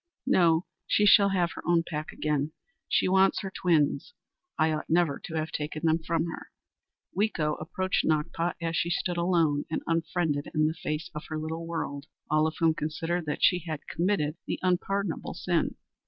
"No, she shall have her own pack again. She wants her twins. I ought never to have taken them from her!" Weeko approached Nakpa as she stood alone and unfriended in the face of her little world, all of whom considered that she had committed the unpardonable sin.